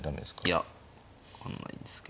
いや分かんないんですけど。